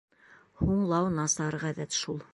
Һуңлау насар ғәҙәт шул.